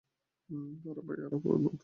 তার ভাই, উকিল আর পুরো দল।